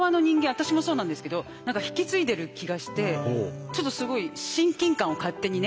私もそうなんですけど何か引き継いでる気がしてちょっとすごい親近感を勝手にね。